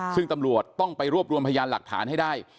ซึ่งตำรวจต้องไปรวบรวมพยานหลักฐานให้ได้